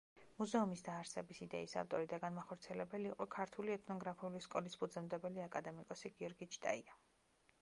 მუზეუმის დაარსების იდეის ავტორი და განმახორციელებელი იყო ქართული ეთნოგრაფიული სკოლის ფუძემდებელი, აკადემიკოსი გიორგი ჩიტაია.